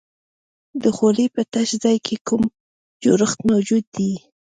د خولې په تش ځای کې کوم جوړښت موجود دی؟